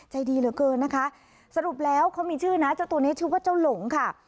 ใจดีเหลือเกินนะคะสรุปแล้วเขามีชื่อนะเจ้าตัวนี้ชื่อว่าเจ้าหลงค่ะ